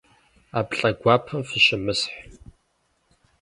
Ӏэплӏэ гуапэм фыщымысхь.